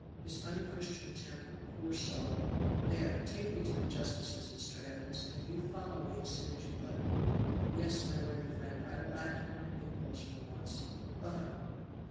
"His unchristian temper! poor soul! There, take me to the justices, Mr. Evans, and you follow me as soon as you like. Yes, my worthy friend, I will act upon an impulse for once Ugh!"